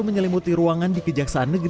saya memaafkan apapun